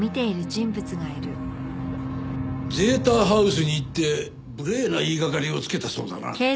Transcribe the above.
ゼータハウスに行って無礼な言いがかりをつけたそうだな。